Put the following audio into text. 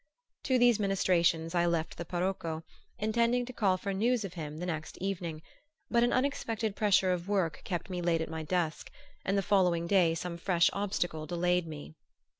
To these ministrations I left the parocco, intending to call for news of him the next evening; but an unexpected pressure of work kept me late at my desk, and the following day some fresh obstacle delayed me.